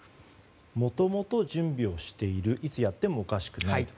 もともと準備しているいつやってもおかしくないと。